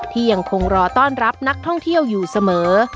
ที่ยังคงรอต้อนรับนักท่องเที่ยวอยู่เสมอ